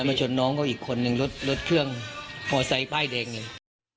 แล้วมาชนน้องก็อีกคนนึงรถเครื่องพอใส่ป้ายเด็กนึง